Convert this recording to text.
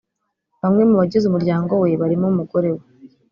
Bamwe mu bagize umuryango we barimo umugore we